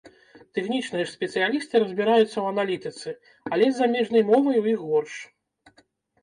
Тэхнічныя ж спецыялісты разбіраюцца ў аналітыцы, але з замежнай мовай у іх горш.